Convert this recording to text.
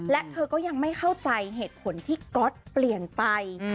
และเธอก็ยังไม่เข้าใจเหตุผลที่ก๊อตเปลี่ยนไป